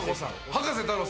葉加瀬太郎さん。